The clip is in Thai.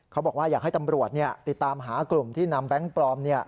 เขาบอกว่าอยากให้ตำรวจติดตามหากลุ่มที่นำแบงค์ปลอม